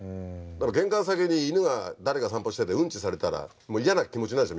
玄関先に犬が誰か散歩しててうんちされたら嫌な気持ちになるでしょ？